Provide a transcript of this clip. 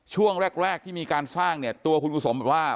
ช่วงแรกที่มีการสร้างเนี่ยตัวคุณกุศลบอกว่า